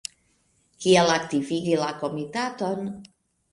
Kiel aktivigi la Komitaton?